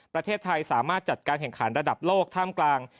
ประเทศไทยสามารถจัดการแข่งขันระดับโลกท่ามกลาง